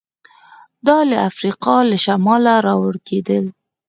دا له افریقا له شماله راوړل کېدل